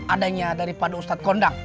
adanya daripada ustadz kondang